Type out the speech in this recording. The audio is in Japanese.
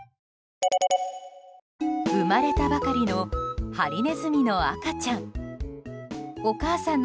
生まれたばかりのハリネズミの赤ちゃん。